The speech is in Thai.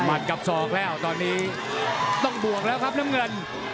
ต้องบวกแล้วครับเนมเงิน